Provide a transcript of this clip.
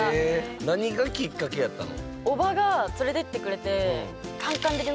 何がきっかけやったの？